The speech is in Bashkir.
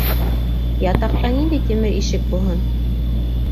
Ятаҡта ниндәй тимер ишек булһын?!